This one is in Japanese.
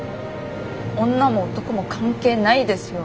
女も男も関係ないですよ。